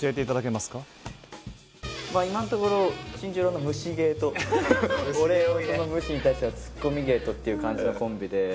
まあ今んところ新十郎の無視芸と俺その無視に対してはツッコミ芸とっていう感じのコンビで。